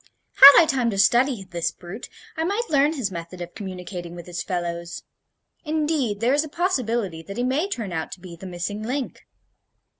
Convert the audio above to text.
Had I time to study this brute, I might learn his method of communicating with his fellows. Indeed, there is a possibility that he may turn out to be the missing link."